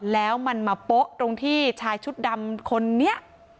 แล้วมันมาโป๊ะตรงที่ชายชุดดำคนนี้